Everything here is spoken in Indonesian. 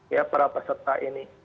ya para peserta ini